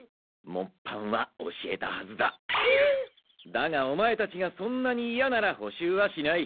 だがオマエたちがそんなにいやならほ習はしない。